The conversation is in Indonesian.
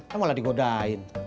tapi malah digodain